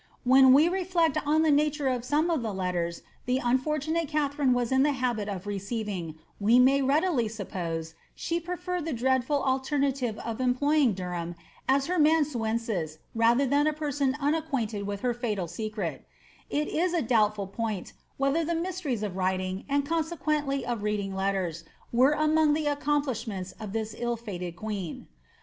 '' When we reflect on the nature of some of the letters the onfortunatb Katharine was in the habit of receiving, we may readily suppose she preferred the dreadful alternative of employing Derham as her amanuensis rather than a person unacquainted with her fatal secret, h is a doubtful point, whether the '^ mysteries of writing," and conse quently of reading letters, were among the accomplishments of this ill fated queen.